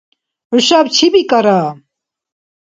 ХӀушаб чи бикӀара?